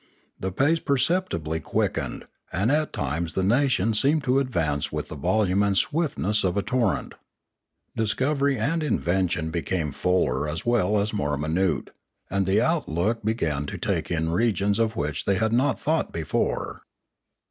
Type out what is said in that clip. The pace perceptibly quickened, and at times the nation seemed to advance with the volume and swiftness of a torrent. Discovery and invention became fuller as well 55° Limanora as more minute, and the outlook began to take in regions of which they had not thought before.